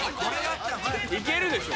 いけるでしょ